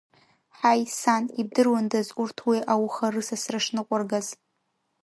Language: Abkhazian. Ҳаи, сан, ибдыруандаз урҭ уи ауха рысасра шныҟәыргаз!